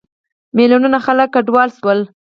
میلیونونه خلک کډوال شول.